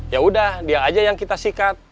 yaudah dia aja yang kita sikat